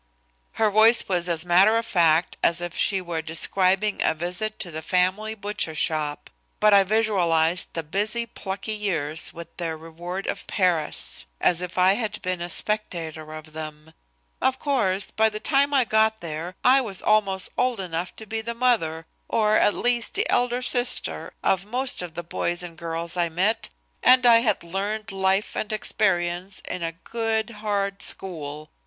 Her voice was as matter of fact as if she were describing a visit to the family butcher shop. But I visualized the busy, plucky years with their reward of Paris as if I had been a spectator of them. "Of course, by the time I got there I was almost old enough to be the mother, or, at least, the elder sister of most of the boys and girls I met, and I had learned life and experience in a good, hard school.